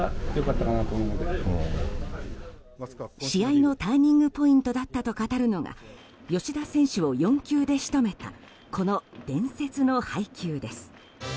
試合のターニングポイントだったと語るのが吉田選手を４球でしとめたこの伝説の配球です。